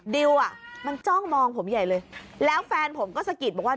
ดิวอ่ะมันจ้องมองผมใหญ่เลยแล้วแฟนผมก็สะกิดบอกว่า